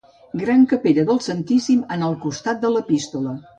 Gran capella del Santíssim en el costat de l'epístola.